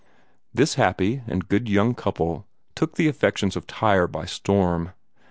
This happy and good young couple took the affections of Tyre by storm.